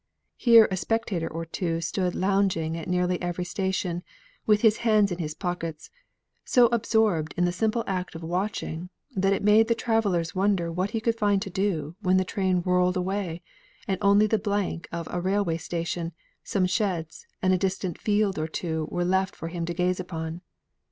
Here a spectator or two stood lounging at nearly every station, with his hands in his pockets, so absorbed in the simple act of watching, that it made the travellers wonder what he could find to do when the train whirled away, and only the blank of a railway, some sheds, and a distant field or two were left for him to gaze upon.